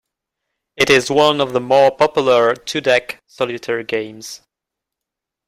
It is one of the more popular two-deck solitaire games.